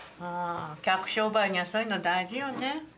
あ客商売にはそういうの大事よね。